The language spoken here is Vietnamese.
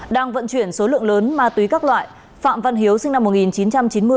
đang vận chuyển số lượng lớn ma túy các loại phạm văn hiếu sinh năm một nghìn chín trăm chín mươi